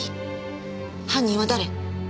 犯人は誰？